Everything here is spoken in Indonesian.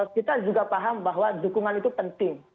kita juga paham bahwa dukungan itu penting